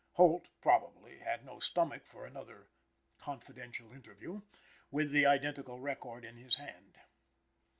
Holt, probably, had no stomach for another "confidential interview," with the identical record in his hand.